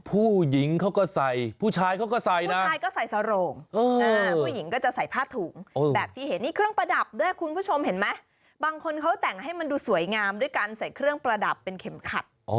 ผู้หญิงเขาก็ใส่ผู้ชายเขาก็ใส่นะผู้ชายก็ใส่สโรงผู้หญิงก็จะใส่ผ้าถุงแบบที่เห็นนี่เครื่องประดับด้วยคุณผู้ชมเห็นไหมบางคนเขาแต่งให้มันดูสวยงามด้วยการใส่เครื่องประดับเป็นเข็มขัด